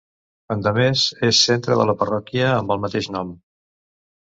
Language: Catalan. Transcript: Endemés és centre de la parròquia amb el mateix nom.